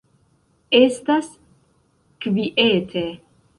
Estas kviete.